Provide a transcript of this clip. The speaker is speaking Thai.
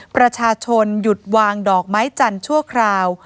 ประชาชนหยุดวางดอกไม้จันทร์ชั่วคราว